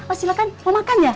oh silahkan mau makan ya